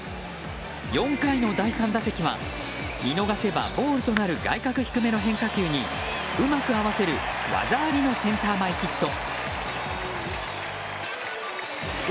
４回の第３打席は見逃せばボールとなる外角低めの変化球にうまく合わせる技ありのセンター前ヒット。